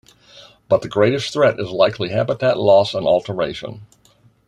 But the greatest threat is likely habitat loss and alteration.